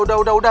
udah udah udah